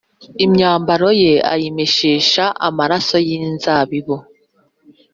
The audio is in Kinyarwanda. Imyambaro ye ayimeshesha amaraso y inzabibu